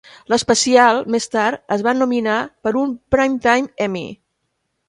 L'especial, més tard, es va nominar per un Primetime Emmy.